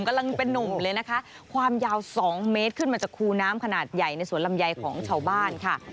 กำลังเป็นนุ่มเลยนะคะความยาว๒เมตรขึ้นมาจากคูน้ำขนาดใหญ่ในสวนลำไยของชาวบ้านค่ะ